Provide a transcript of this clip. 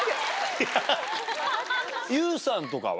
ＹＯＵさんとかは？